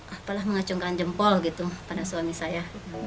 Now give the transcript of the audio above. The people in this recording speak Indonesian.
apalah mengacungkan jempol gitu pada suami saya